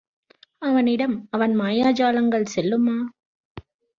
அவனிடம் அவன் மாயாஜாலங்கள் செல்லுமா?